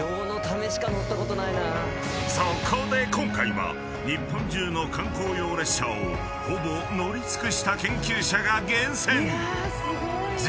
［そこで今回は日本中の観光用列車をほぼ乗り尽くした研究者が厳選］